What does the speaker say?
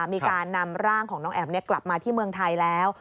มีการนำร่างของน้องแอ๋มกลับมาที่เมืองไทยแล้ว